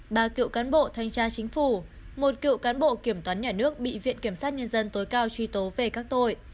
ba cựu cán bộ thanh tra chính phủ một cựu cán bộ kiểm toán nhà nước bị viện kiểm sát nhân dân tối cao truy tố về các tội